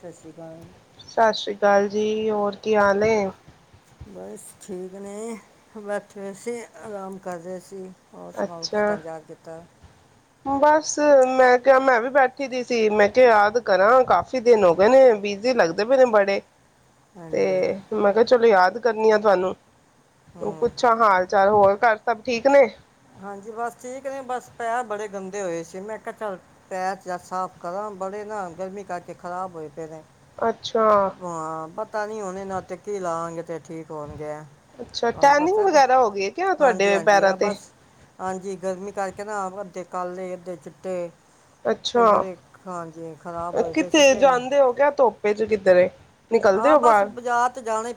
ਸਤਿ ਸ਼੍ਰੀ ਅਕਾਲ। ਕਾਲ ਜੀ, ਹੋਰ ਕੀ ਹਾਲ ਏ। ਬਸ ਠੀਕ ਨੇ ਬੈਠੇ ਹੋਏ ਸੀ, ਆਰਾਮ ਕਰ ਰਹੇ ਸੀ। ਹੋਰ ਸੁਣਾਓ ਅੱਛਾ ਕਿੱਦਾਂ ਯਾਦ ਕੀਤਾ? ਬਸ ਮੈਂ ਕਿਹਾ ਮੈਂ ਵੀ ਬੈਠੀ ਦੀ ਸੀ, ਮੈਂ ਕਿਹਾ ਯਾਦ ਕਰਾਂ ਕਾਫੀ ਦਿਨ ਹੋ ਗਏ ਨੇ ਬਿਜੀ ਲੱਗਦੇ ਪਏ ਨੇ ਬੜੇ। ਹਾਂਜੀ ਤੇ ਮੈਂ ਕਿਹਾ ਚਲੋ ਯਾਦ ਕਰਨੀ ਆ ਤੁਹਾਨੂੰ। ਨੂੰ ਹੂੰ ਪੁੱਛਾਂ ਹਾਲ-ਚਾਲ, ਹੋਰ ਘਰ ਸ ਸਭ ਠੀਕ ਨੇ। ਹਾਂਜੀ ਬਸ ਠੀਕ ਨੇ, ਬਸ ਪੈਰ ਬੜੇ ਗੰਦੇ ਹੋਏ ਸੀ, ਮੈਂ ਕ ਚਲ ਪੈਰ ਸਾਫ਼ ਕਰਾਂ ਬੜੇ ਨਾ ਗਰਮੀ ਕਰਕੇ ਖਰਾਬ ਹੋਏ ਪਏ ਨੇ। ਅੱਛਾ। ਤਾਂ ਨੀ ਹੁਣ ਏਨਾਂ ਤੇ ਕਿ ਲਾਵਾਂਗੇ ਤੇ ਠੀਕ ਹੋਣਗੇ, ਅੱਛਾ ਤੁਹਾਨੂੰ ਟੈਨਿੰਗ ਪਤਾ ਕੁਛ, ਵਗੈਰਾ ਹੋ ਗਈ ਹੈ ਕਿਆ ਤੁਹਾਡੇ ਹਾਂਜੀ-ਹਾਂਜੀ ਪੈਰਾਂ ਆ ਤੇ ਬਸ, ਹਾਂਜੀ ਗਰਮੀ ਕਰਕੇ [unintelligible] ਅੱਧੇ ਕਾਲੇ, ਅੱਧੇ ਚਿੱਟੇ ਤੇ ਅੱਛਾ, ਬੜੇ ਹਾਂਜੀ ਖਰਾਬ ਹੋਏ ਪਏ ਸੀ ਕਿਥੇ ਤੇ ਜਾਂਦੇ ਹੋ ਕਿਆ ਧੁੱਪ ਪੇਜੂ ਕਿੱਧਰ ਏ। ਹਾਂ ਬਸ ਬਾਜ਼ਾਰ 'ਚ ਜਾਣੇ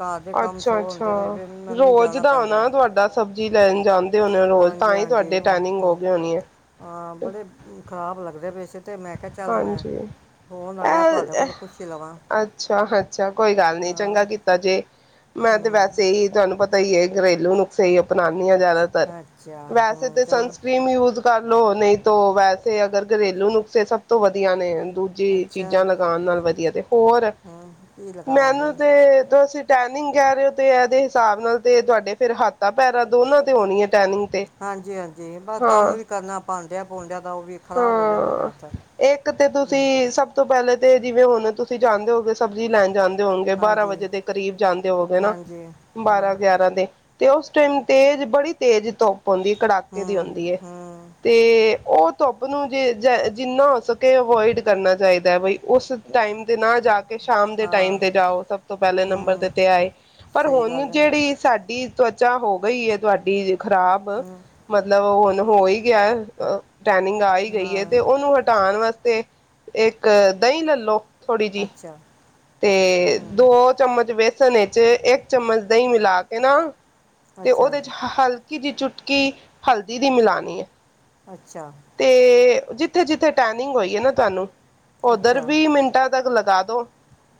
ਘਰ ਦੇ ਕੰਮ ਸੌ ਅੱਛਾ-ਅੱਛਾ, ਹੁੰਦੇ ਨੇ ਫਿਰ ਮੈਨੂੰ ਹੀ ਰੋਜ਼ ਜਾਣਾ ਦਾ ਪੈਂਦਾ ਹੈ। ਹੋਨਾ ਤੁਹਾਡਾ ਸਬਜ਼ੀ ਲੈਣ ਜਾਂਦੇ ਹੋਣੇ ਰੋਜ਼ ਤਾਂ ਹਾਂਜੀ ਹੀ ਹਾਂਜੀ ਤੁਹਾਡੇ ਉਹ, ਟੈਨਿੰਗ ਹੋ ਹਮ, ਗਈ ਹੋਣੀ ਹੈ। ਹਾਂ ਬੜੇ ਖਰਾਬ ਲੱਗ ਦੇ ਪਏ ਸੀ। [unintelligible] ਤੇ ਮੈਂ ਕਿਹਾ ਚੱਲ ਮੈਂ ਹਾਂਜੀ ਫੋਨ ਆਇਆ ਤੁਹਾਡੇ ਇਹ ਕੋਲ ਪੁੱਛ ਹੀ ਲਵਾਂ ਅੱਛਾ-ਅੱਛਾ, ਕੋਈ ਗੱਲ ਨੀ ਹਾਂ ਚੰਗਾ ਕੀਤਾ ਜੇ, ਮੈਂ ਤੇ ਹਮ, ਵੈਸੇ ਹੀ ਤੁਹਾਨੂੰ ਪਤਾ ਸਹੀ ਏ ਘਰੇਲੂ ਨੁਕਸੇ ਅਪਣਾਂਣੇ ਜ਼ਿਆਦਾਤਰ, ਅੱਛਾ ਵੈਸੇ ਹਮ, ਤੇ ਚਲੋ ਸਨਸਕ੍ਰੀਨ ਯੂਜ ਕਰ ਲਓ ਨਹੀਂ ਤੋ ਵੈਸੇ ਅਗਰ ਘਰੇਲੂ ਨੂੰ ਸੇ ਸਭ ਤੋਂ ਵਧੀਆ ਨੇ। ਦੂਜੀ ਅੱਛਾ ਚੀਜ਼ਾਂ ਲਗਾਉਣ ਨਾਲ ਵਧੀਆ, ਤੇ ਹੋਰ ਹਮ, ਕੀ ਲਗਾਵਾਂ ਮੈਨੂੰ ਫਿਰ ਤੇ ਤੁਸੀ ਟੈਨਿੰਗ ਕਹਿ ਰਹੇ ਹੋ ਤੇ ਇਹਦੇ ਹਿਸਾਬ ਨਾਲ ਤੇ ਤੁਹਾਡੇ ਫੇਰ ਹੱਥਾਂ ਪੈਰਾਂ ਦੋਨਾਂ ਤੇ ਹੋਣੀ ਹੈ ਟੈਨਿੰਗ ਤੇ ਹਾਂਜੀ-ਹਾਂਜੀ, ਬਸ ਕੰਮ ਹਾਂ ਵੀ ਕਰਨਾ ਪਾਂਡਿਆ-ਪੁਡਿਆਂ ਦਾ ਤਾਂ ਉਹ ਵੀ ਖ਼ਰਾਬ ਹੋ ਜਾਂਦੇ ਨੇ ਹਾਂ ਹੱਥ ਇੱਕ ਤੇ ਹਮ, ਤੁਸੀਂ ਸਭ ਤੋਂ ਪਹਿਲੇ ਤੇ ਜਿਵੇਂ ਹੁਣ ਤੁਸੀਂ ਜਾਣਦੇ ਹੋਗੇ ਸਬਜ਼ੀ ਲੈਣ ਜਾਂ ਦੇਹੋਗੇ ਬਾਰਾਂ ਹਾਂਜੀ ਵਜੇ ਦੇ ਕਰੀਬ ਜਾਂਦੇ ਹੋਗੇ ਨਾ, ਹਾਂਜੀ ਹਮ ਬਾਰਾਂ-ਗਿਆਰਾਂ ਦੇ ਤੇ ਉਸ ਟਾਈਮ ਤੇਜ਼ ਬੜੀ ਤੇਜ਼ ਧੁ ਹੁੰਦੀ ਕੜਾਕੇ ਦੀ ਹਮ ਹੁੰਦੀ ਹਮ, ਤੇ ਉਹ ਧੁੱਪ ਨੂੰ ਜੇ ਜੈ ਜਿੰਨਾ ਹੋ ਸਕੇ ਅਵੋਇਡ ਕਰਨਾ ਚਾਹੀਦਾ ਹੈ ਬਈ ਉਸ ਟਾਈਮ ਤੇ ਨਾ ਜਾ ਕੇ ਕੇ ਸ਼ਾਮ ਦੇ ਹਾਂ ਟਾਈਮ ਤੇ ਜਾਓ ਸਭ ਤੋਂ ਪਹਿਲੇ ਨੰਬਰ ਤੇ ਹਮ ਤੇ ਆਏ ਪਰ ਸਹੀ ਗੱਲ ਹੁਣ ਹੈ ਜਿਹੜੀ ਸਾਡੀ ਤਵਚਾ ਹੋ ਗਈ ਹੈ ਤੁਹਾਡੀ ਖ਼ਰਾਬ ਹੂੰ ਮਤਲਬ ੳੲ ਤੇ ਹੋ ਹੀ ਗਿਆ ੳ ਟ੍ਰੈਨਿੰਗ ਆ ਹੀ ਗਈ ਹੈ ਹਾਂ ਤੇ ਘਟਾਉਣ ਵਾਸਤੇ ਇੱਕ ਦਹੀਂ ਲੈਲੋ। ਥੋੜ੍ਹੀ ਜਿਹੀ ਅੱਛਾ ਤੇ ਹੂੰ ਦੋ ਚਮਚ ਬੇਸਣ ਵਿੱਚ ਇੱਕ ਚਮਚ ਦਹੀਂ ਮਿਲਾ ਕੇ ਨਾ ਤੇ ਅੱਛਾ ਉਹਦੇ 'ਚ ਹਲ ਨਿਕੀ ਜਹੀ ਚੁਟਕੀ ਹਲਦੀ ਦੀ ਮਿਲਉਣੀ ਹੈ ਅੱਛਾ ਜਿੱਥੇ ਜਿੱਥੇ ਟੈਨਿੰਗ ਹੋਈ ਹੈ ਨਾ ਤੁਹਾਨੂੰ ਉਧਰ ਅੱਛਾ ਵੀ ਮਿੰਟਾਂ ਤੱਕ ਲੱਗ ਦਾਦੋ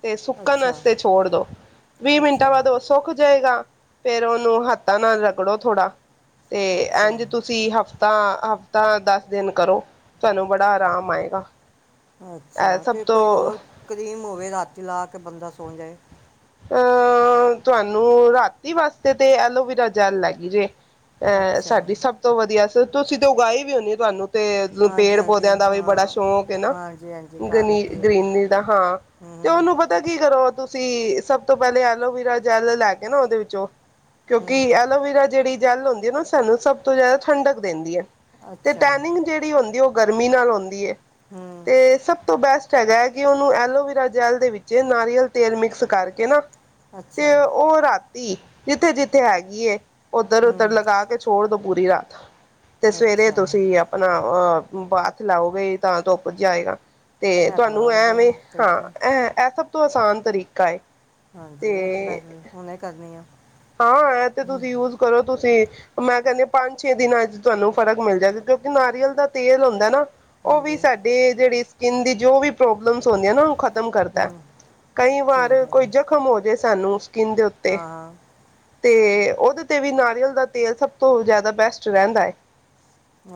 ਤੇ ਸੁੱਕਣ ਅੱਛਾ ਵਾਸਤੇ ਛੋੜ ਦੋ ਵੀਹ ਮਿੰਟਾਂ ਅੱਛਾ ਬਾਅਦ ਉਹ ਸੁੱਕ ਜਾਏਗਾ ਫੇਰ ਉਹ ਨੂੰ ਹੱਥਾਂ ਨਾਲ ਰਗੜੋ ਥੋੜਾ ਤੇ ਅੱਛਾ ਐੱਝ ਤੁਸੀਂ ਹਫ ਤਾਂ ਹਫਤਾ ਦੱਸ ਦਿਨ ਕਰੋ ਤੁਹਾਨੂੰ ਬੜਾ ਆਰਾਮ ਆਏਗਾ ਅੱਛਾ ਇਹ ਸਭ ਤੇ ਕੋਈ ਤੋਂ ਹੋਰ ਕਰੀਮ ਹੋਵੇ ਰਾਤੀ ਲਾ ਕੇ ਤੇ ਬੰਦਾ ਸੌ ਜਾਏ ਅਹ ਤੁਹਾਨੂੰ ਰਾਤੀ ਵਾਸਤੇ ਤੇ ਐਲੋਵਰਾ ਜੈਲ ਲੈਗੀ ਜੇ ਅਹ ਅੱਛਾ ਸਾਡੀ ਸਭ ਤੋਂ ਵਧੀਆ ਸ ਤੁਸੀਂ ਤੇ ਉਗਾਈ ਵੀ ਹੋੜੀ ਹੈ, ਤੁਹਾਨੂੰ ਤੇ ਹਾਂਜੀ ਪੇੜ ਹਾਂਜੀ ਪੌਦਿਆਂ ਦਾ ਵੀ ਬੜਾ ਹਾਂ ਸ਼ੌਂਕ ਹੈ ਨਾ, ਹਾਂਜੀ ਹਾਂਜੀ ਘਰ ਗਨੀ ਲੱਗੀ ਹੋਈ ਆ ਗਰੀਨਰੀ ਦਾ ਹਾਂ ਹੂੰ ਤੇ ਹੂੰ ਉਹਨੂੰ ਪਤਾ ਕੀ ਕਰੋ ਤੁਸੀਂ ਤੇ ਸਭ ਤੋਂ ਪਹਿਲੇ ਐਲੋਵਰਾ ਜੈਲ ਲੈ ਕੇ ਨਾ ਉਹਦੇ ਵਿੱਚੋਂ ਕਿਉਂਕਿ ਹੂੰ ਐਲੋਵੀਰਾ ਜਿਹੜੀ ਜੈਲ ਹੁੰਦੀ ਹੈ ਨਾ ਉਹ ਸਾਨੂੰ ਸਭ ਤੋਂ ਜ਼ਿਆਦਾ ਠੰਡਕ ਦਿੰਦੀ ਹੈ ਤੇ ਅੱਛਾ ਟੈਨਿੰਗ ਜਿਹੜੀ ਹੁੰਦੀ ਉਹ ਗਰਮੀ ਨਾਲ ਹੋਂਦੀ ਏ। ਹੂੰ ਤੇ ਸਭ ਤੋਂ ਬੈਸਟ ਹੈਗਾ ਹੈ। ਕਿ ਉਹਨੂੰ ਐਲੋਵਰਾ ਜੈਲ ਦੇ ਵਿੱਚ ਨਾਰੀਅਲ ਤੇਲ ਮਿਕਸ ਕਰਕੇ ਕਿਹ ਨਾ ਅੱਛਾ ਤੇ ਉਹ ਰਾਤ ਜੀ ਜਿੱਥੇ, ਜਿੱਥੇ ਹੈਗੀ ਏ ਉੱਧਰ, ਉੱਧਰ ਹੂੰ ਲਗਾ ਕੇ ਛੋੜ ਦੋ। ਪੂਰੀ ਰਾਤ। ਤੇ ਸਵੇਰੇ ਅੱਛਾ ਤੁਸੀਂ ਆਪਣਾ ਅਹ ਹਾਥ ਲਾਓਗੇ। ਤਾਂ ਧੁੱਪ ਜਾਏਗਾ। ਤੇ ਇਹ ਤਾਂ ਬੜਾ ਤੁਹਾਨੂੰ ਵਧੀਆ ਐਵੇਂ ਹਾਂ ਤਰੀਕਾ ਹੈ। ਇਹ ਸਭ ਤੋਂ ਆਸਾਨ ਤਰੀਕਾ ਹੈਏ। ਹਾਂਜੀ ਤੇ ਇਹ ਤਾਂ ਬਸ ਹੁਣੇ ਕਰਨੀ ਆ ਹਾਂ ਇਹ ਤੇ ਹੂੰ, ਤੁਸੀਂ ਯੂਜ ਕਰੋ ਤੁਸੀਂ। ਮੈਂ ਕਹਿੰਦੀ ਹ ਪੰਜ ਛੇ ਦਿਨਾਂ ਅੱ ਤੁਹਾਨੂੰ ਫ਼ਰਕ ਮਿਲ ਜਾਏਗਾ ਕਿਉਂਕਿ ਨਾਰੀਅਲ ਦਾ ਤੇਲ ਹੁੰਦਾ ਨਾ ਉਹ ਵੀ ਹਾਂਜੀ ਸਾਡੇ ਜਿਹੜੀ ਸਕਿੰਨ ਦੀ ਜੋ ਵੀ ਪ੍ਰੋਬਲਮਸ ਹੁੰਦੀਆਂ ਨਾ ਖਤਮ ਕਰਦਾ ਹੂੰ ਕਈ ਵਾਰ ਠੀਕ ਹੈ ਕੋਈ ਜ਼ਖਮ ਹੋ ਜੇ ਸਾਨੂੰ ਦੇ ਉੱਤੇ ਹਾਂ ਹਾਂ ਤੇ ਉਹਦੇ ਤੇ ਵੀ ਨਾਰੀਅਲ ਦਾ ਤੇਲ ਸਭ ਤੋਂ ਜ਼ਿਆਦਾ ਬੈਸਟ ਰਹਿੰਦਾ ਹੈ।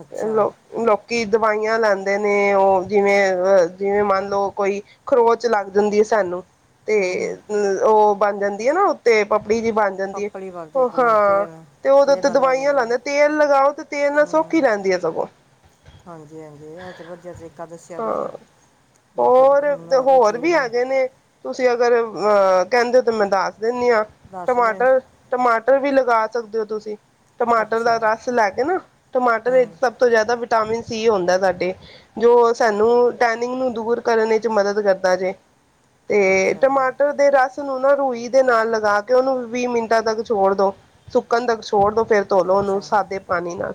ਅੱਛਾ ਲੋਕ ਲੋਕ ਕਿ ਦਵਾਈਆਂ ਲੈਂਦੇ ਨੇ। ਉਹ ਜਿਵੇਂ ਅ ਜਿਵੇਂ ਮੰਨ ਲਓ ਕੋਈ ਖਰੋਚ ਲੱਗ ਜਾਂਦੀ ਹੈ ਸਾਨੂੰ। ਤੇ ਹਮ, ਹਮ। ਉਹ ਬਣ ਜਾਂਦੀ ਹੈ। ਨਾ ਉੱਤੇ ਬੀਜੀ ਬਣ ਜਾਂਦੀ ਹੈ। ਪੱਪਲੀ ਵਗ ਉਹ ਜਾਂਦੀ ਹੈ ਹਾਂ ਤੇਲ ਤੇ ਉਹਦੇ ਤੇਲ ਉੱਤੇ ਨਾਲ ਲੈ ਦਵਾਈਆਂ ਜਾਂਦੇ ਆ ਲਾਉਦੇ ਤੇਲ ਲਗਾਓ ਤੇ ਤੇਲ ਨਾਲ ਸੌਖੀ ਹੂੰ ਰਹਿੰਦੀ ਹੈ ਸਗੋਂ ਹਾਂਜੀ ਹਾਂਜੀ ਇਹ ਤਾਂ ਵਧੀਆ ਤਰੀਕਾ ਦੱਸਿਆ ਹਾਂ ਤੁਸੀਂ ਮਤਲਬ ਹੋਰ ਹੁਣ ਆ ਜਾ ਹੋਰ ਤੇਲ ਵੀ ਆਗੇਏ ਨੇ ਤੁਸੀਂ ਅਗਰ ਅ ਕਹਿੰਦੇ ਹੋ ਤੇ ਮੈਂਦਾਸ ਦਿੰਨ ਹਾਂ ਦੱਸ ਦੇ ਟਮਾਟਰ, ਟਮਾਟਰ ਵੀ ਲੱ ਗਾ ਸਕਦੇ ਹੋ ਤੁਸੀਂ ਟਮਾਟਰ ਅੱਛਾ ਦਾ ਰਸ ਲੈ ਕੇ। ਨਾ। ਟਮਾਟਰ ਇਹ ਹੂੰ ਸਭ ਤੋਂ ਜ਼ਿਆਦਾ ਵਿਟਾਮਿਨ ਸੀ ਹੁੰਦਾ ਸਾਡੇ। ਜੋ ਸਾਨੂੰ ਟੈਨਿੰਗ ਨੂੰ ਦੂਰ ਕਰਨ ਵਿੱਚ ਮਦਦ ਕਰਦਾ ਜੇ। ਤੇ ਅੱਛਾ ਜੀ। ਟਮਾਟਰ ਦੇ ਰਸ ਨੂੰ ਨਾ ਰੂਈ ਦੇ ਨਾਲ ਲਗਾ ਕੇ ਉਹਨੂੰ ਵੀਹ ਮਿੰਟਾਂ ਤੱਕ ਛੋੜ ਦੋ ਸੁੱਕਣ ਤੱਕ ਛੋੜ ਦੋ ਫਿਰ ਧੋਲੋ ਉਹਨੂੰ ਅੱਛਾ ਸਾਦੇ ਪਾਣੀ ਨਾਲ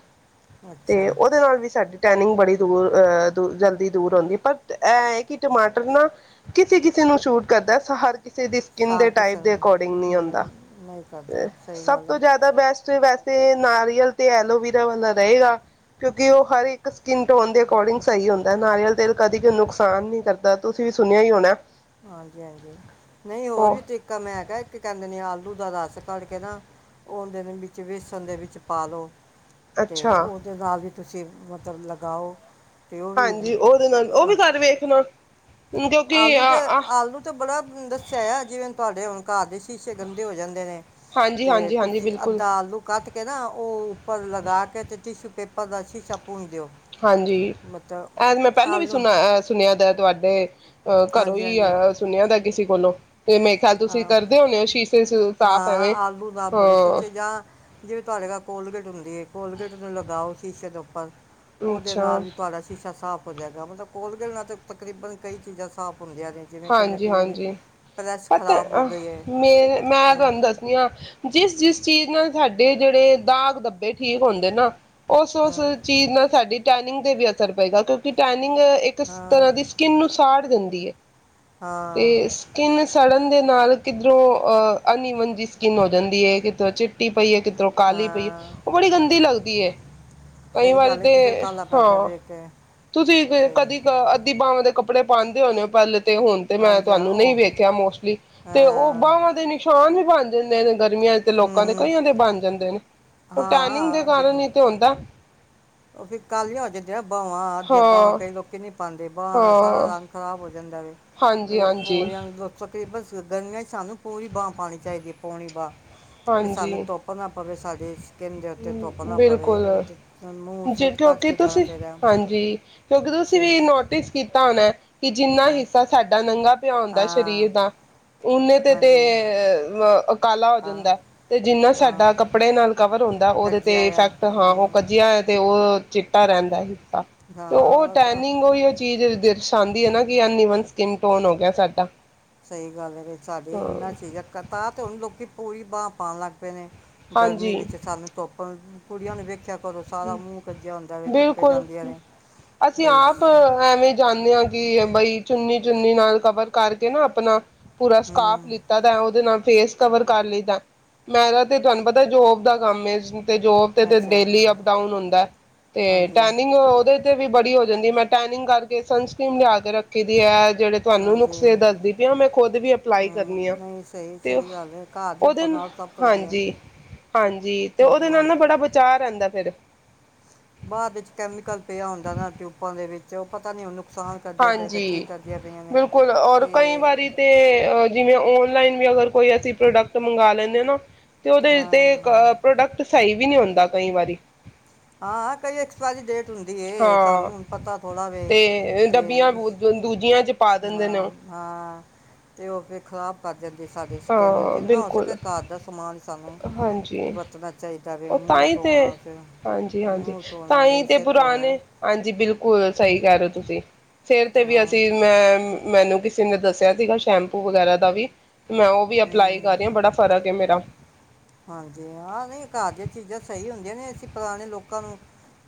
ਤੇ ਅੱਛਾ ਉਹਦੇ ਨਾਲ ਵੀ ਸਾਡੀ ਟੈਨਿੰਗ ਬੜੀ ਦੂਰ ਅ ਜਲਦੀ ਦੂਰ ਹੁੰਦੀ ਪਰ ਇਹ ਏ ਕਿ ਟਮਾਟਰ ਨਾ ਕਿਸੇ ਕਿਸੇ ਨੂੰ ਸੂਟ ਕਰਦਾ ਹਰ ਕਿਸੇ ਦੀ ਸਕਿਨ ਦੇ ਸਾਗ ਟਾਈਪ ਕਿਸੇ ਦੇ ਨੂੰ ਅਕੋਰਡਿੰਗ ਨਹੀਂ ਹੁੰਦਾ ਹੂੰ ਨਹੀਂ ਕਰਦਾ ਸਹੀ ਸਭ ਗੱਲ ਤੋਂ ਹੈ ਜ਼ਿਆਦਾ ਬੈਸਟ ਵਸ ਤੇ ਨਾਰੀਅਲ ਤੇ ਐਲੋਵੀਰਾ ਵਾਲਾ ਰਹੇਗਾ ਕਿਉਂਕਿ ਉਹ ਹਰ ਇੱਕ ਸਕਿਨ ਟੋਨ ਦੇ ਅਕੋਰਡਿੰਗ ਸਹੀ ਹੁੰਦਾ ਨਾਰੀਅਲ ਤੇਲ ਕਦੇ ਕੋਈ ਨੁਕਸਾਨ ਨਹੀਂ ਕਰਦਾ ਤੁਸੀਂ ਵੀ ਸੁਣਿਆ ਹੀ ਹੋਣਾ ਹਾਂਜੀ ਹਾਂਜੀ ਨਹੀਂ ਹੋਰ ਉਹ ਵੀ ਤਰੀਕਾ ਮੈਂ ਹੈਗਾ ਇੱਕ ਕਹਿੰਦੇ ਨੇ ਆਲੂ ਦਾ ਰਸ ਕਢ ਕੇ ਨਾ ਉਹ ਦੇ ਵਿੱਚ ਵੇਸਣ ਦੇ ਵਿੱਚ ਪਾ ਲਉ ਤੇ ਅੱਛਾ ਉਹਦੇ ਨਾਲ ਵੀ ਤੁਸੀਂ ਮਤਲਬ ਲਗਾਓ ਤੇ ਉਹ ਵੀ ਹਾਂਜੀ ਉਹਦੇ ਨਾਲ ਉਹ ਅਹ, ਵੀ ਕਰ ਵੇਖਣਾ ਕਿਉਂਕਿ ਆਲੂ ਤੇ ਆਲੂ ਤੇ ਬੜਾ ਦੱਸਿਆ ਆ ਜਿਵੇਂ ਤੁਹਾਡੇ ਹੁਣ ਘਰ ਦੇ ਸ਼ੀਸ਼ੇ ਗੰਦੇ ਹੋ ਜਾਂਦੇ ਨੇ ਹਾਂਜੀ ਤੇ ਹਾਂਜੀ ਹਾਂਜੀ ਤੁਸੀਂ ਬਿਲਕੁਲ ਅੱਧਾ ਆਲੂ ਕੱਟ ਕੇ ਨਾ ਉਹ ਉੱਪਰ ਲਗਾ ਕੇ ਤੇ ਟਿਸ਼ੂ ਪੇਪਰ ਨਾਲ ਸ਼ੀਸ਼ਾ ਪੂੰਝ ਦਿਉ। ਹਾਂਜੀ ਇਹ ਮੈਂ ਪਹਿਲੇ ਵੀ ਆਲੂ ਸੁਣਿਆ ਸੁਣਿਆ ਦਾ ਤੁਹਾਡੇ ਅ ਘਰੋਂ ਹਾਂਜੀ ਹੀ ਹਾਂਜੀ ਆਇ ਸੁਣਿਆ ਦਾ ਕਿਸੀ ਕੋਲੋਂ ਤੇ ਮੇਰੇ ਖਿਆਲ ਤੁਸੀਂ ਹਾਂ ਕਰਦੇ ਹੋਣੇ ਹੋ ਸ਼ੀਸ਼ੇ ਸਾਫ਼ ਹਾਂ ਐਵੇਂ ਆਲੂ ਨਾਲ ਬੜੇ ਹਾਂ ਸ਼ੀਸ਼ੇ ਜਾਂ ਜਿਵੇਂ ਤੁਹਾਡੇ ਘਰ ਕੋਲਗੇਟ ਹੁੰਦੀ ਹੈ ਕੋਲਗੇਟ ਨੂੰ ਲਗਾਓ ਸ਼ੀਸ਼ੇ ਤੇ ਉਪਰ ਪਰ ਉਹਦੇ ਨਾਲ ਅੱਛਾ ਵੀ ਤੁਹਾਡਾ ਸ਼ੀਸ਼ਾ ਸਾਫ਼ ਹੋ ਜਾਏਗਾ ਮਤਲਬ ਕੋਲਗੇਟ ਨਾਲ ਤਾਂ ਤਕਰੀਬਨ ਕਈ ਚੀਜ਼ਾਂ ਸਾਫ਼ ਹੁੰਦੀਆਂ ਨੇ ਜਿਵੇਂ ਕਿ ਕਹਿੰਦੇ ਕਿ ਕਈਆਂ ਦੀ ਪ੍ਰੈਸ ਅਤੇ ਖਰਾਬ ਹੋ ਗਈ ਮ ਹੈ ਮੈਂ ਤੁਹਾਨੂੰ ਦੱਸਦੀ ਹਾਂ ਜਿਸ -ਜਿਸ ਚੀਜ਼ ਇਸ ਨਾਲ ਸਾਡੇ ਜਿਹੜੇ ਦਾਗ ਧੱਬੇ ਠੀਕ ਹੁੰਦੇ ਨਾ। ਉਸ ਉਸ ਹਾਂ ਚੀਜ਼ ਨਾਲ ਸਾਡੀ ਟੈਨਿੰਗ ਤੇ ਵੀ ਅਸਰ ਪਏਗਾ ਕਿਉਂਕਿ ਟੈਨ ਟੈਨਿੰਗ ਇੱਕ ਹਾਂ ਤਰ੍ਹਾਂ ਦੀ ਸਕਿਨ ਨੂੰ ਸਾੜ ਦਿੰਦੀ ਦੀ ਹੈ ਹਾਂ ਤੇ ਸਕਿਨ ਸੜਨ ਦੇ ਨਾਲ ਕਿੱਧਰੋਂ ਅਹ ਅਨਇਵਨ ਜੀ ਸਕਿਨ ਹੋ ਜਾਂਦੀ ਹੈ ਕਿਥੋਂ ਚਿੱਟੀ ਪਈ ਹੈ ਕਿੱਧਰੋਂ ਕਾਲੀ ਪਈ ਹੈ ਹਾਂ ਉਹ ਬੜੀ ਗੰਦੀ ਲੱਗਦੀ ਏ। ਸਹੀ ਗੱਲ ਦਿਲ ਕਾਲਾ ਪੈਦਾ ਹਾਂ ਵੇਖ ਕੇ। ਤੁਸੀਂ ਬਈ ਕਦੀ ਕ ਅੱਧੀ ਬਵਾਂ ਦੇ ਕੱਪੜੇ ਪਾਉਂਦੇ ਹੋਣੇ ਪਪਹਿਲੇ ਤੇ ਹੁਣ ਤੇ ਹਾਂ ਮੈਂ ਜੀ ਆ ਤੁਹਾਨੂੰ ਨਹੀਂ ਉਹ ਵੇਖਿਆ ਮੋਸਟਲੀ ਤੇ ਉਹ ਅਮ, ਬਾਹਵਾਂ ਦੇ ਨਿਸ਼ਾਨ ਵੀ ਬਣ [unintelligible] ਗਰਮੀਆਂ ਚ ਤੇ ਹੂੰ ਲੋਕਾਂ ਦੇ ਹੂੰ, ਕਈਆਂ ਦੇ ਬਣ ਜਾਂਦੇ ਨੇ। ਉਹ ਟੈਨਿੰਗ ਦੇ ਹਾਂ ਦੀ ਕਾਰਨ ਹੀ ਤੇ ਹੁੰਦਾ। ਉਹ ਫ ਕਾਲੀਆਂ ਹੋ ਜਾਂਦੀਆਂ। ਬਾਵਾਂ ਅੱਧੀਆਂ ਬਾਵਾਂ ਹਾਂ ਕਈ ਲੋਕੀ ਨਹੀਂ ਪਾਉਂਦੇ ਬਾਵਾਂ ਦਾ ਸਾਰਾ ਹਾਂ ਰੰਗ ਖਰਾਬ ਹੋ ਜਾਂਦਾ ਏ ਹਾਂਜੀ ਹੋ ਹਾਂਜੀ ਜਾ ਤਕਰੀਬਨ ਸਾਨੂ ਗਰਮੀਆਂ ਚ ਪੂਰੀ ਬਾਂਹ ਪਾਉਣੀ ਚਾਹੀਦੀ ਪੌਣੀ ਬਾਂਹ ਕਿ ਹਾਂਜੀ ਸਾਨੂੰ ਤੋਪ ਨਾ ਪਵੇ ਸਾਡੇ ਕਿੰਜ ਦੇ ਉੱਤੇ ਧੁੱਪ ਨਾ ਪਵੇ ਉਹ ਬਿਲਕੁਲ ਤੇ ਮੂੰਹ ਜੇ ਸਿਰ ਕੱਜ ਕਿਉਂਕਿ ਕੇ ਜਾਣਾ ਤੁਸੀਂ ਚਾਹੀਦਾ ਹੈ ਹਾਂਜੀ ਕਿਉਂਕਿ ਤੁਸੀਂ ਸੇ ਵੀ ਨੋਟਿਸ ਕੀਤਾ ਹੋਣ [inaudible] ਕਿ ਜਿੰਨਾ ਹਾਂ ਹਿੱਸਾ ਸਾਡਾ ਨੰਗਾ ਪਉਂਦਾ ਹਾਂ ਸਰੀਰ ਦਾ ਉਨੇ ਤੇ ਤੇ ਹਾਂਜੀ ਕਾਲਾ ਹੋ ਕਾ ਜਾਂਦਾ ਤੇ ਜਿੰਨਾ ਹਾਂ ਸਾਡਾ ਕੱਪੜੇ ਨਾਲ ਦਾ ਉਹਦੇ ਤੇ ਕੱਜਿਆ ਆ ਇਫੈਕਟ ਹਾਂ ਉਹ ਕੱਜਿਆ ਹੈ ਤੇ ਉਹ ਚਿੱਟਾ ਰਹਿੰਦਾ ਹੈ ਤੇ ਉਹ ਹਾਂ ਤਾਂ ਟੈਨਿੰਗ ਹੀ ਉਹ ਚੀਜ਼ ਦਰਸ ਦਿਖਾਂਦੀ ਹੈ ਨਾ ਕਿ ਅਨਈਵਨ ਸਕਿਨ ਟੋਨ ਹੋ ਗਿਆ ਸਾਡਾ ਸਹੀ ਗੱਲ ਹੈ ਸਾਡੇ ਹਾਂ ਇਨਾ ਚੀਜ਼ਾ, ਤਾਂ ਤੇ ਹੂਣ ਲੋਕੀ ਉਹੀ ਬਾਂ ਪਾਉਣ ਲੱਗ ਨੇ ਗਰਮੀ ਹਾਂਜੀ ਵਿੱਚ ਸਾਨੂੰ ਤੋਪਣ ਕੁੜੀਆਂ ਨੂੰ ਵੇਖ ਬਿਲਕੁਲ ਜਾਂਦੀਆਂ ਨੇ ਅਸੀਂ ਬਈ ਆਪ ਸ- ਐਵੇਂ ਜਾਂਦੇ ਹਾਂ ਕਿ ਬਈ ਚੁੰਨੀ ਚੁੰਨੀ ਨਾਲ ਕਵਰ ਕਰਕੇ ਨਾ ਆਪਣਾ ਪੂਰਾ ਸਕਾਫ ਹੂੰ ਲਿੱਤਾ ਤਾਂ ਉਹਦੇ ਨਾਲ ਫੇਸ ਕਵਰ ਕਰ ਲਈਦਾ, ਮੇਰਾ ਤੇ ਤੁਹਾਨੂੰ ਪਤਾ ਜੋਬ ਦਾ ਕੰਮ ਤੇ ਜੋਬ ਤੇ ਤੇ ਅੱਛਾ ਡੇਲੀ ਟੋਨ ਹੁੰਦਾ ਤੇ ਹਾਂਜੀ ਟੈਨਿੰਗ ਉਹਦੇ ਤੇ ਵੀ ਬੜੀ ਹੋ ਜਾਂਦੀ ਮੈਂ ਟੈਨਿੰਗ ਕਰਕੇ ਸਨਸਕ੍ਰੀਨ ਲਿਆ ਕੇ ਰੱਖੀ ਦੀ ਹੈ ਜਿਹੜੇ ਤੁਹਾਨੂੰ ਹਾਂਜੀ ਨੁਕਸੇ ਦੱਸਦੀ ਪਈ ਮੈਂ ਖੁਦ ਵੀ ਅਪਲਾਈ ਹਾਂ, ਕਰਨੀ ਆ ਨਹੀਂ ਸਹੀ ਤੇ ਸਹੀ ਗੱਲ ਹੈ ਘਰ ਦੇ ਉਹਦੇ ਪਨਾਹ ਸਭ ਤੋਂ ਵਧੀਆ ਹਾਂਜੀ ਹੈ। ਹਾਂਜੀ ਤੇ ਉਹਦੇ ਨਾਲ ਵਾਹ ਨਾ ਬੜਾ ਬਚਾਅ ਰਹਿੰਦਾ ਫਿਰ ਬਾਅਦ ਵਿੱਚ ਕੈਮੀਕਲ ਪਿਆ ਹੁੰਦਾ ਨਾ ਟਿਊਬਾਂ ਦੇ ਵਿੱਚ ਉਹ ਪਤਾ ਨੀ ਉਹਨੂੰ ਹਾਂਜੀ ਬਿਲਕੁਲ ਔਰ ਕਈ ਤੇ ਵਾਰੀ ਤੇ ਜਿਵੇਂ ਔਨ ਲਾਈਨ ਵੀ ਅਗਰ ਕੋਈ ਅਸੀਂ ਪ੍ਰੋਡਕਟ ਮੰਗਵਾ ਲੈਂਦੇ ਹਾਂ ਨਾ ਤੇ ਉਹਦੇ ਤੇ ਹਾਂ ਪ੍ਰੋਡਕਟ ਸਹੀ ਵੀ ਨਹੀਂ ਹੁੰਦਾ ਕਈ ਵਾਰੀ ਹਾਂ ਕਈ ਐਕਸਪਾਇਰੀ ਡੇਟ ਹੁੰਦੀ ਏ, ਹਾਂ ਸਾਨੂੰ ਹੁਣ ਪਤਾ ਥੋੜਾ ਵੇ ਤੇ ਡੱਬੀਆਂ ਦੂਜੀਆਂ ਚ ਪਾ ਤੇ ਦਿੰਦੇ ਨੇ ਉਹ ਹਾਂ, ਹੋ ਕੇ ਖਿਲਾਫ਼ ਜਾਂਦੀ ਸਾਡੇ ਸਕਿੰਨ ਹਾਂ ਜਿੰਨਾ ਹੋ ਸਕੇ ਬਿਲਕੁਲ ਕਾਰ ਦਾ ਸਮਾਨ ਸਾਨੂੰ ਹਾਂਜੀ ਵਰਤਣਾ ਚਾਹੀਦਾ ਪਹਿਲੇ ਉਹ ਤਾਂ ਮੂੰਹ ਹੀ ਤੇ ਧੋਣਾ ਫਿਰ ਹਾਂਜੀ ਹਾਂਜੀ, ਤਾਂਹੀ ਤੇ ਪੁਰਾਣੇ, ਹਾਂਜੀ ਬਿਲਕੁਲ ਸਹੀ, ਕਰਹਿ ਰਹੇ ਤੁਸੀਂ ਫਿਰ ਤੇ ਵੀ ਹਾਂ ਅਸੀਂ ਮੈਨੂੰ ਕਿਸੇ ਨੇ ਦੱਸਿਆ ਸੀਗਾ ਸ਼ੈਂਪੂ ਵਗੈਰਾ ਦਾ ਵੀ ਮੈਂ ਉਹ ਵੀ ਅਪਲਾਈ ਹੂੰ ਕਰ ਰਹੀ ਆ ਬੜਾ ਫਰਕ ਹੈ, ਮੇਰਾ ਹਾਂਜੀ ਆ ਨਹੀਂ ਘਰ ਦੀਆਂ ਚੀਜ਼ਾਂ ਸਹੀ ਹੁੰਦੀਆਂ ਨੇ, ਅਸੀਂ ਪੁਰਾਣੇ ਲੋਕਾਂ ਨੂੰ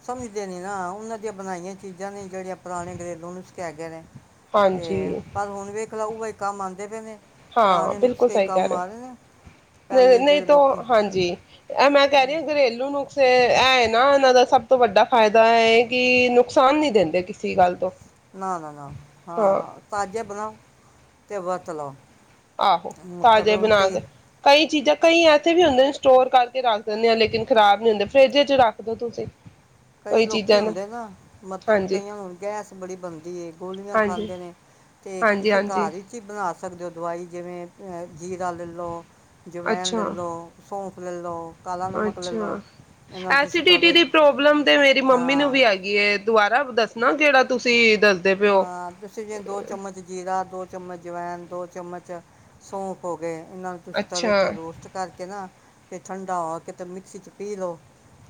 ਸਮਝਦੇ ਨੇ ਨਾ ਉਹਨਾਂ ਦੀਆਂ ਬਣਾਈਆਂ ਚੀਜ਼ਾਂ ਨੇ ਜਿਹੜੀਆਂ ਪੁਰਾਣੇ ਘਰੇਲੂ ਨੂੰ ਨੁਸਖੇ ਗਏ ਨੇ ਤੇ, ਹਾਂਜੀ ਪਰ ਹੁਣ ਵੇਖ ਸੁਣਾਓ ਹੋਰ ਕੰਮ ਆਉਂਦੇ ਪਏ ਨੇ ਹਾਂ, ਬਿਲਕੁਲ ਪੁਰਾਣੇ ਬਿਲਕੁਲ ਨੁਸਖੇ ਹੀ ਸਹੀ ਕਰ ਕੰਮ ਰਿਹੇ ਆ ਰਹੇ ਨੇ ਨਹੀਂ, ਪਹਿਲੇ ਨਹੀਂ, ਜਿਹੜੇ ਤ ਲੋਕੀ ਹਾਂਜੀ। ਇਹ ਮੈਂ ਕਹਿ ਰਹੀ ਹਾਂ ਘਰੇਲੂ ਨੁਕਸੇ ਹੈ, ਨਾ ਇਹਨਾਂ ਦਾ ਸਭ ਤੋਂ ਵੱਡਾ ਫਾਇਦਾ ਇਹ ਕਿ, ਨੁਕਸਾਨ ਨਹੀਂ ਦਿੰਦੇ ਕਿਸੇ ਗੱਲ ਤੋਂ ਨਾ ਨਾ ਨਾ ਹਾਂ, ਤਾਜ਼ੇ ਬਣਾਓ ਅਤੇ ਬਰਤਲੋ ਤੇ ਹਾਂ ਗੰਦ ਤੂੰ ਹੀ ਖਾ ਮੈਂ ਪਹਿਲਾ ਹੀ ਪਤਾ ਤੂੰ ਪਲ ਫੁਕਰੀਆਂ ਇਨਾ ਥੋੜੀ ਕ ਪਾ ਆਹੋ, ਤਾਜ਼ੇ ਬਣਾ ਕੇ, ਕਈ ਚੀਜ਼ਾਂ ਕਈ ਐਸੇ ਵੀ ਹੁੰਦੇ ਨੇ ਸਟੋਰ ਕਰਕੇ ਰੱਖ ਦਿੰਦੇ, ਆ ਲੇਕਿਨ ਖਰਾਬ ਨੀ ਹੁੰਦੇ ਫਰਿੱਜ ਚ ਰੱਖ ਦੋ ਤੁਸੀਂ ਕਈ ਕੋਈ ਲੋਕੀ ਚੀਜ਼ਾਂ ਹੁੰਦੇ ਨਾ, ਮਤਲਬ ਹਾਂਜੀ ਕਈਆਂ ਨੂੰ ਗੈਸ ਬੜੀ ਬਣਦੀ ਗੋਲੀਆਂ ਹਾਂਜੀ ਖਾਂਦੇ ਨੇ ਅਤੇ ਇੱਕ ਹਾਂਜੀ ਤੁਸੀਂ ਹਾਂਜੀ ਘਰ ਵਿੱਚ ਹੀ ਬਣਾ ਸਕਦੇ ਹੋ ਦਵਾਈ ਜੇਵੇਂ ਜਿਵੇ ਜੀਰਾ ਲੈ ਲਓ ਜਵਾੈਣ ਲੈ ਅੱਛਾ ਲਓ ਸੌਂਫ ਲੈ ਲਓ ਕਾਲਾ ਨਮਕ ਲੈ ਅੱਛਾ, ਲਓ ਇਹਨਾਂ ਨੂੰ ਤੁਸੀਂ ਐਸੀਡੀਿਟੀ ਤਵੇ ਦੀ ਪ੍ਰੋਬਲਮ ਤੇ ਮੇਰੀ ਮੰਮੀ ਨੂੰ ਹਾਂ ਵੀ ਹੈਗੀ ਏ ਦੁਬਾਰਾ, ਦੱਸਣਾ ਜਿਹੜਾ ਤੁਸੀਂ ਦੱਸਦੇ ਪਏ ਓ ਹਾਂ, ਤੁਸੀਂ ਫਿਰ ਦੋ ਚਮਚ ਜੀਰਾ ਦੋ ਦੋ ਚਮਚ ਅਜਵੈਣ, ਦੋ ਚਮਚ ਸੌਫ, ਹੋ ਗਏ ਇਹਨਾਂ ਨੂੰ ਤੁਸੀਂ ਤਵੇ ਅੱਛਾ ਤੇ ਰੋਸਟ ਕਰਕੇ ਨਾ ਫ ਠੰਡਾ ਹੋ ਕਿ ਮਿਕਸੀ ਚ ਪੀਸ ਲੋਓ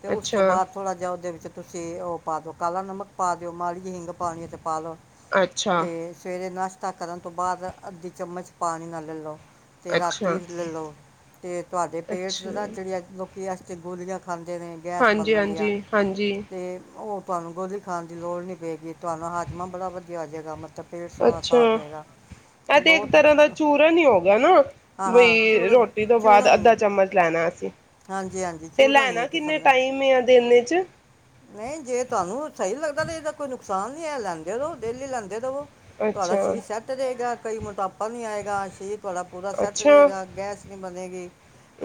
ਤੇ ਉਸ ਤੋਂ ਅੱਛਾ ਬਾਅਦ ਥੋੜ੍ਹਾ ਜਿਹਾ ਉਹਦੇ ਚ ਤੁਸੀਂ ਉਹ ਪਾ ਦਿਓ, ਕਾਲਾ ਨਮਕ ਪਾ ਦਿਓ, ਮਾਲੜੀ ਹਿੰਗ ਪਾਣੀਓ ਤੇ ਪਾਲੋ ਅੱਛਾ ਤੇ, ਸਵੇਰੇ ਨਾ [unintelligible] ਕਰਨ ਤੋਂ ਬਾਅਦ, ਅੱਧੀ ਚਮਚ ਪਾਣੀ ਨਾਲ ਲੈਲੋ। ਤੇ ਰਾਤੀ ਅੱਛਾ ਲੈਲੋ, ਤੇ ਤੁਹਾਡੇ ਪੇਟ ਨਾ ਅੱਛਾ ਜਿਹੜੀ ਇਸ ਵਾਸਤੇ ਗੋਲੀਆਂ ਖਾਂਦੇ ਨੇ ਗੈਸ ਹਾਂਜੀ ਬਨਣਦੀਆਂ ਹਾਂਜੀ ਹਾਂਜੀ ਤੇ ਹੋ ਤੁਹਾਨੂੰ ਗੋਲੀ ਖਾਣ ਦੀ ਲੋੜ ਨੀ ਪਏਗੀ ਤੁਹਾਨੂੰ ਹੱਜ ਮਾਂ ਬੜਾ ਆ ਜਾਏਗਾ, ਮਤਲਬ ਪੇਟ ਸੋਹਣਾ ਅੱਛਾ ਸਾਫ਼ ਹੋਏਗਾ ਇਹ ਤੇ ਬਹੁਤ ਇੱਕ ਤਰ੍ਹਾਂ ਦਾ ਚੂਰਨ ਹੀ ਹੋ ਗਿਆ ਨਾ ਹਾਂ-ਹਾਂ ਬਈ ਚੁਰਨ ਰੋਟੀ ਤੋਂ ਬਾਅਦ ਚੁਰਨ ਹੀ ਹੈ, ਅੱਧਾ ਚਮਚ ਲੈਣਾ ਅਸੀਂ ਹਾਂਜੀ-ਹਾਂਜੀ ਤੇ ਚੂੂਰਨ ਹੀ ਹੈ ਲੈਣਾ ਇਕ ਕਿੰਨੇ ਕਿਸਮ ਦਾ ਟਾਈਮ ਆ ਦਿਨ ਚ ਨਹੀਂ, ਜੇ ਤੁਹਾਨੂੰ ਸਹੀ ਲੱਗਦਾ ਤੇ ਇਹਦਾ ਕੋਈ ਨੁਕ ਸੋਧ ਲੰ [unintelligible] ਲੈਲੋ, ਡੇਲੀ ਲੈਂਦੇ ਰਵੋ। ਤੁਹਾਡਾ ਅੱਛਾ ਸ਼ਰੀਰ ਸੈੱਟ ਰਹੇਗਾ। ਕਈ ਮੋਟਾਪ ਨੀ ਆਏਗਾ, ਸਰੀਰ ਤੁਹਾਡਾ ਪੂਰਾ ਸੈੱਟ ਅੱਛਾ ਰਹੇਗਾ, ਗੈਸ ਨੀ ਬਣੇਗੀ,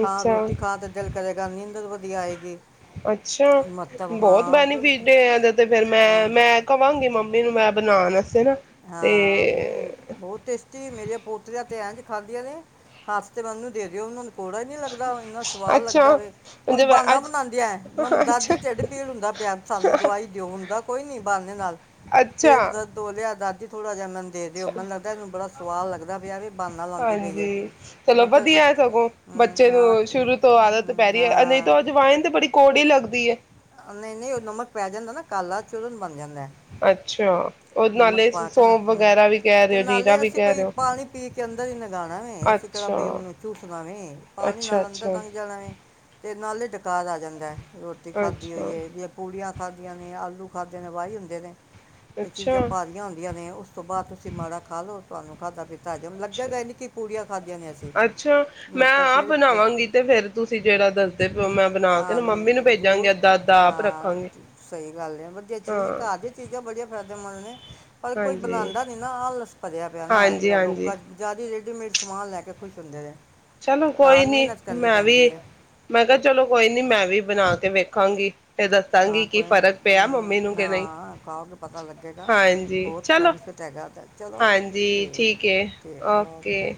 ਹਾਂ ਅੱਛਾ ਰੋਟੀ ਖਾਣ ਤੇ ਦਿਲ ਕਰੇਗਾ, ਨੀਂਦ ਨੀ ਆਏਗੀ। ਅੱਛਾ, ਮਤਲਬ ਬਹੁਤ ਹਾਂ ਕੋਈ ਬੈਨੀਫਿਟ ਇਹਦਾ ਤੇ, ਫਿਰ ਮੈਂ ਅਮ, ਮੈਂ ਕਵਾਂਗੀ ਮਮ- ਮੈਨੂੰ ਮੈਂ ਬਣਾਉਣਾ ਹਾਂ ਨਹੀਂ, ਬਹੁਤ ਟੇਸਟੀ ਮੇਰੀਆਂ ਪੋਤਰੀਆਂ ਤੇਂ ਇਂਜ ਖਾਧਿਆਂ ਨੇ ਹਫਤੇ ਬਾਦ ਦੇ ਦਿਓ ਉਹਨੂੰ। ਕੌੜਾ ਹੀ ਨੀ ਲੱਗਦਾ ਹੌਣਾ, ਇੰਨਾ ਸਵਾਦ ਲੱਗਦਾ ਅੱਛਾ ਵੇ, ਉਹਤਾ ਮਤਲਬ ਬਹਾਨਾ ਅੱਜ ਬਣਾਉਣਦੀਆ, ਅੱਛਾ ਦਾਦੀ ਢਿੱਡ ਪੀੜ ਹੁੰਦਾ ਪਿਆ ਸਾਨੂੰ ਦਵਾਈ ਦਿਓ ਹੋਂਦਾ ਕੋਈ ਨੀ ਬਹਾਨੇ ਨਾਲ। ਪੇਟ ਅੱਛਾ ਦਰਦ ਹੌ ਰਿਆ। ਦਾਦੀ ਥੋੜਾ ਜਿਹਾ ਮੈਨ ਦੇ ਦਿਓ, ਮੈਨੂੰ ਲੱਗਦਾ ਇਹਨੂੰ ਬੜਾ ਸਵਾਦ ਲਗ ਹਾਂਜੀ, ਚਲੋ ਮਤਲਬ ਤਾਂ- ਵਧੀਆ ਸਗੋਂ ਹਮ, ਬੱਚੇ ਹਾਂ ਨੂੰ ਸ਼ੁਰੂ ਤੋਂ ਆਦਤ ਹਮ, ਪੈ ਰਹੀ, ਨਹੀਂ ਹਾਂ ਤੋ ਅਜਵੈਨ ਤੇ ਬੜੀ ਕੌੜੀ ਲਗ [unintelligible] ਨਹੀਂ-ਨਹੀਂ ਨਮਕ ਪੈ ਜਾਂਦਾ ਨਾ ਕਾਲਾ ਬਣ ਜਾਂਦਾ ਹੈ ਅੱਛਾ। ਉਹ ਨਮਕ ਨਾਲੇ ਪਾ ਕੇ ਨਾ ਸੌਂਫ ਹੂੰ ਵਗੈਰਾ ਵੀ ਕਹਿ ਰਹੇ ਤੇ ਹੋ ਨਾਲੇ ਜੀਰਾ ਵੀ ਅਸੀਂ ਕਹਿ ਕੋਈ ਰਹੇ ਹੋ ਪਾਣੀ ਪੀ ਕੇ ਅੰਦਰ ਹੀ ਲਗਾਣਾ ਵੇ ਅਸੀਂ ਕਿਹੜਾ ਅੱਛਾ ਬਈ ਉਹਨੂੰ ਚੂਸਨਾ ਵੇ ਪਾਣੀ ਅੱਛਾ ਨਾਲ ਅੰਦਰ ਅੱਛਾ ਲੰਘ ਜਾਣਾ ਵੇ। ਤੇ ਨਾਲੇ ਡ ਡਕਾਰ ਆ ਜਾਂਦਾ, ਰੋਟੀ ਖਾਦੀ ਅੱਛਾ ਹੋਈ ਹੈ ਯਾ ਪੂੜੀਆਂ ਖਾਦੀਆਂ ਨੇ, ਆਲੂ ਖਾਦੇ ਨੇ ਵਾਹੀ ਹੁੰਦੇ ਨੇ। ਚੀਜ਼ਾਂ ਅੱਛਾ ਭਾਰਿਆ ਹੁੰਦੀਆਂ ਨੇ, ਉਸ ਤੋਂ ਬਾਅਦ ਤੁਸੀਂ ਮਾੜਾ ਖਾ ਲਓ। ਤੁਹਾਨੂੰ ਖਾਧਾ-ਪਿਤਾ ਅਸੀਂ ਅੱਛਾ, ਮੈਂ ਮਤਲਬ ਆਪ ਫਿਰ ਪ- ਬਨਾਵਾਂਗੀ ਤੇ ਫੇਰ ਤੁਸੀਂ ਜਿਹੜਾ ਦੱਸਦੇ ਪਏਹੋ। ਆਮੀਨ ਜਰੂਰ ਹਾਂ ਰੱਖਾਂਗੇ ਸਹੀ ਗੱਲ ਆ ਵਧੀਆ ਚੀਜ਼ ਹਾਂ ਕਾਹਦੀ ਚੀਜ਼ਾਂ ਬੜੀਆ [unintelligible] ਪਰ ਕੋਈ ਹਾਂਜੀ ਬਣਾਉਂਦਾ ਨਹੀਂ ਨਾ ਆਲਸ ਭਰਿਆ ਪਿਆ ਨਾ ਅੱਜ ਹਾਂਜੀ ਕੱਲ ਲੋਕ ਹਾਂਜੀ ਚ ਜਿਆਦਾ ਰੇਮੇਡ ਸਮਾਨ ਲੈ ਕੇ ਖੁਸ਼ ਹੁੰਦੇ ਨੇ ਚਲੋ ਕੋਈ ਘਰ ਨੀ ਮਿਹਨਤ ਕਰਨੀ ਮੈਂ ਪੈਂਦੀ ਵੀ ਹੈ ਮੈਂ ਕਿਹਾ ਚਲੋ ਕੋਈ [unintelligible] ਮੈਂ ਵੀ ਬਣਾ ਕੇ ਵੇਖਾਂਗੀ ਤੇ ਦੱਸਾਂਗੀ ਹਾਂ ਕੀ ਕੋਈ ਫ਼ਰਕ ਪਿਆ ਮੰਮੀ ਨੂੰ ਹਮ ਕਿ ਨਹੀਂ ਹਾਂ ਖਾਓਗੇ ਪਤਾ ਲੱਗੇਗਾ ਹਾਂਜੀ ਬਹੁਤ ਚਲੋ ਬੈਨੀਫਿਟ ਹੈਗਾਦਾ ਚਲੋ ਠੀਕ ਹੈ ਓਕੇ